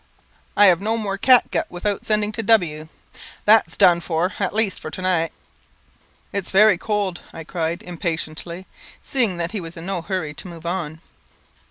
"I have no more catgut without sending to W . That's done for, at least for to night." "It's very cold," I cried, impatiently, seeing that he was in no hurry to move on.